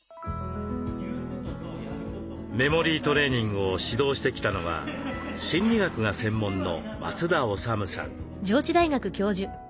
メモリートレーニングを指導してきたのは心理学が専門の松田修さん。